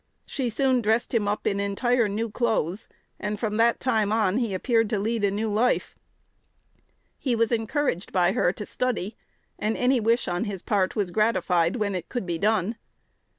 She soon dressed him up in entire new clothes, and from that time on he appeared to lead a new life. He was encouraged by her to study, and any wish on his part was gratified when it could be done.